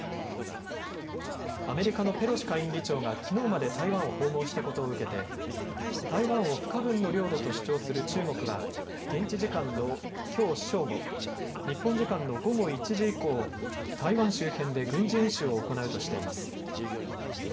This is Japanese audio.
アメリカのペロシ下院議長がきのうまで台湾を訪問したことを受けて台湾を不可分の領土と主張する中国は現地時間のきょう正午、日本時間の午後１時以降、台湾周辺で軍事演習を行うとしています。